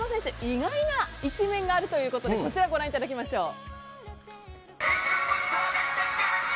意外な一面があるということでこちらをご覧いただきましょう。